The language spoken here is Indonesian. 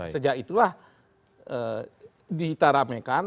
sejak itulah ditaramekan